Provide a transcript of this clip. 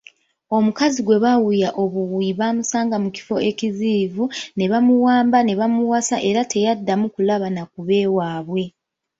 Omukazi gwe bawuya obuwuyi bamusanga mu kifo ekiziyivu ne bamuwamba ne bamuwasa era teyaddamu kulaba na kubeewabwe.